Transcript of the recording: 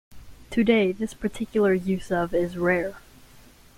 Today, this particular use of is rare.